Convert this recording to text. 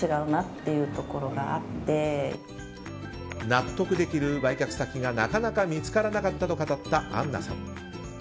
納得できる売却先が、なかなか見つからなかったと語ったアンナさん。